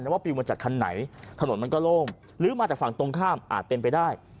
ว่าปิวมาจากคันไหนถนนมันก็โล่งหรือมาจากฝั่งตรงข้ามอาจเป็นไปได้